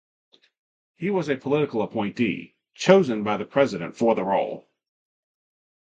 He was a political appointee, chosen by the President for the role.